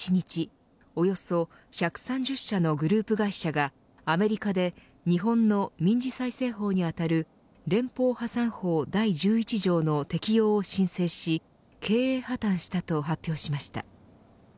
およそ１３０社のグループ会社がアメリカで日本の民事再生法に当たる連邦破産法第１１条の適用を申請し経営破綻したと発表しました。